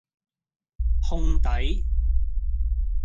烘底